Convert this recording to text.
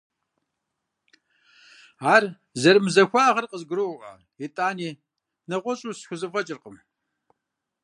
Ар зэрымызахуагъэр къызгуроӀуэ, итӀани, нэгъуэщӀу схузэфӀэкӀыркъым.